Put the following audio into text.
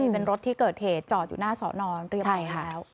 เป็นรถที่เกิดเหตุจอดอยู่หน้าสอนอนเรียบร้อยแล้ว